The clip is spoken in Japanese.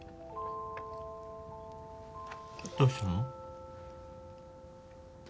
どうしたの？